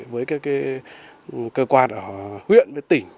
với các cơ quan ở huyện với tỉnh